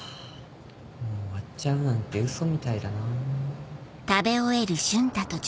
もう終わっちゃうなんてウソみたいだなぁ。